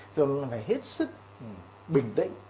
rồi bạn phải hết sức bình tĩnh